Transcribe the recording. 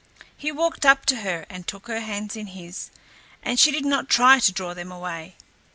He walked up to her and took her hands in his, and she did not try to draw them away.